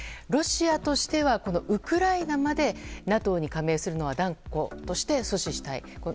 ロシアとしてはウクライナまでＮＡＴＯに加盟するのは断固として阻止したい。